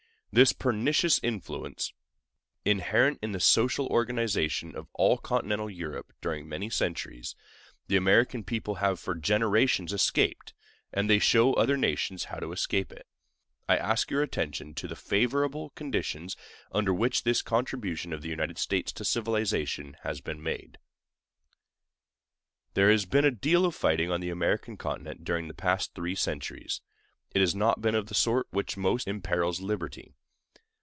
This pernicious influence, inherent in the social organization of all Continental Europe during many centuries, the American people have for generations escaped, and they show other nations how to escape it. I ask your attention to the favorable conditions under which this contribution of the United States to civilization has been made. There has been a deal of fighting on the American continent during the past three centuries; but it has not been of the sort which most imperils liberty.